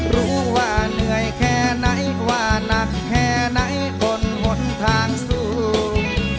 รู้ว่าเหนื่อยแค่ไหนว่านักแค่ไหนทนหนทางสู้